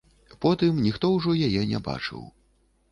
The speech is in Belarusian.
Потым ніхто ўжо яе не бачыў.